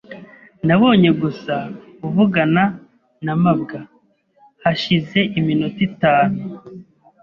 Nabonye gusa uvugana na mabwa hashize iminota itanu.